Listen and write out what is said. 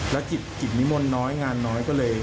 และกิจนิมนต์น้อยงานน้อย